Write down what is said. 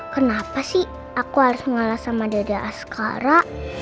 kenapa sih aku harus ngalah sama dede askara